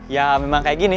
ya memang kayak gini